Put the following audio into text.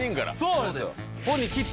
そうですよ。